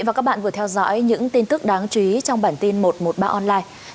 cảm ơn các bạn đã theo dõi những tin tức đáng chú ý trong bản tin một trăm một mươi ba online